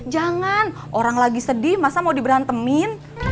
jangan orang lagi sedih masa mau diberantemin